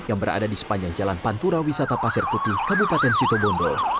yang berada di sepanjang jalan pantura wisata pasir putih kabupaten situbondo